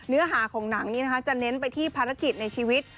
เนื้อหาของหนังนี้นะคะจะเน้นไปที่ภารกิจในชีวิต